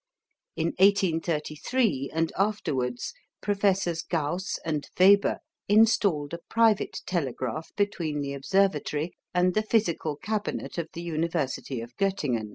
In 1833 and afterwards Professors Gauss and Weber installed a private telegraph between the observatory and the physical cabinet of the University of Gottingen.